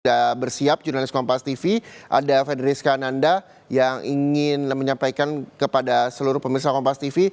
sudah bersiap jurnalis kompas tv ada federis kananda yang ingin menyampaikan kepada seluruh pemirsa kompas tv